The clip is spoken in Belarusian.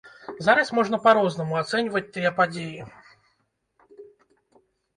Зараз можна па-рознаму ацэньваць тыя падзеі.